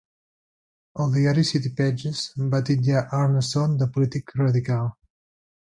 El diari City Pages va titllar Arnason de polític radical.